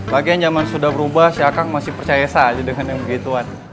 bagian zaman sudah berubah syakang masih percaya saja dengan yang begitu